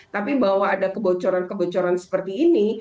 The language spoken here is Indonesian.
tapi bahwa ada kebocoran kebocoran seperti ini